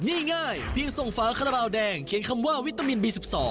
นี่ง่ายเพียงส่งฝาคาราบาลแดงเขียนคำว่าวิตามินบี๑๒